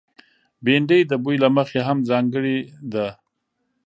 بېنډۍ د بوي له مخې هم ځانګړې ده